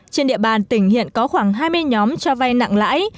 trên địa bàn tỉnh hiện có khoảng hai mươi nhóm cho vay nặng lãi